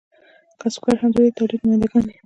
کسبګر هم د دې تولید نماینده ګان دي.